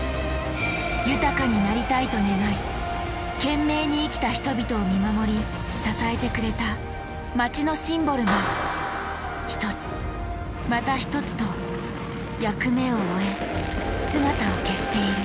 と願い懸命に生きた人々を見守り支えてくれた街のシンボルが一つまた一つと役目を終え姿を消している。